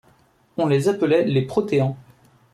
On les appelait les Proteans.